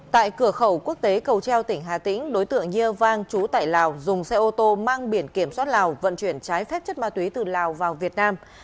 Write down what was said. tại cửa khẩu quốc tế cầu treo tỉnh hà tĩnh đối tượng ye vang chú tại lào dùng xe ô tô mang biển kiểm soát lào vận chuyển trái phép chất ma túy từ lào vào việt nam